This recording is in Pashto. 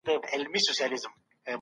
د پوهې او مطالعې لاره غوره کړئ.